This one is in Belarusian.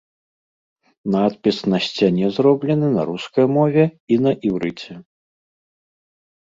Надпіс на сцяне зроблены на рускай мове і на іўрыце.